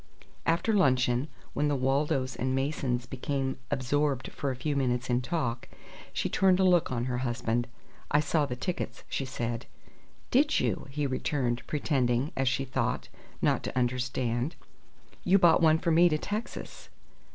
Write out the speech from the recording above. After luncheon, when the Waldos and Masons became absorbed for a few minutes in talk, she turned a look on her husband. "I saw the tickets," she said. "Did you?" he returned, pretending as she thought not to understand. "You bought one for me to Texas."